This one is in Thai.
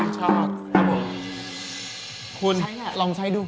ใช้ละลองใช้ดู